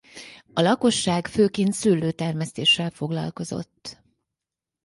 A lakosság főként szőlőtermesztéssel foglalkozott.